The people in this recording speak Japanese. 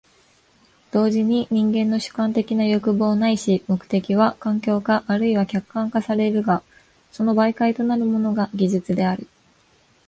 同時に人間の主観的な欲望ないし目的は環境化或いは客観化されるが、その媒介となるものが技術である。